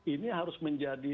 ini harus menjadi